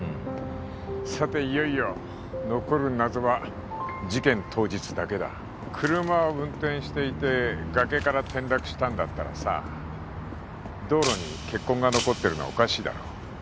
さていよいよ残る謎は事件当日だけだ車を運転していて崖から転落したんだったらさ道路に血痕が残ってるのはおかしいだろ？